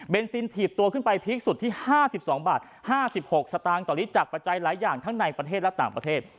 เบนซินถีบตัวขึ้นไปพลิกสุดที่๕๒๕๖สตางค์ตอนนี้จักรประจายหลายอย่างทั้งในประเทศและต่างประเทศ